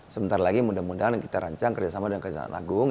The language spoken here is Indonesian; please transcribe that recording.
sebentar lagi mudah mudahan kita rancang kerjasama dengan kejaksaan agung